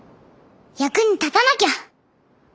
役に立たなきゃ。